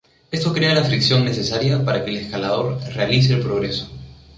Esto crea la fricción necesaria para que el escalador realice el progreso.